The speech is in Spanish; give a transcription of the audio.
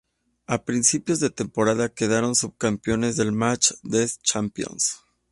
A principios de temporada, quedaron subcampeones del Match des Champions.